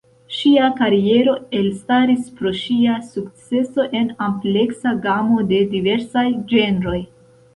Ŝia kariero elstaris pro ŝia sukceso en ampleksa gamo de diversaj ĝenroj.